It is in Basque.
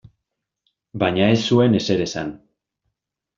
Baina ez zuen ezer esan.